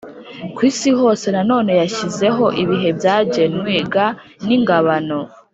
ku isi hose Nanone yashyizeho ibihe byagenwe g n ingabano